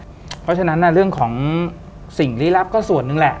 เพราะฉะนั้นเรื่องของสิ่งลี้ลับก็ส่วนหนึ่งแหละ